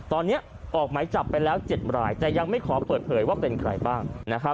ตอนนี้ออกหมายจับไปแล้ว๗รายแต่ยังไม่ขอเปิดเผยว่าเป็นใครบ้าง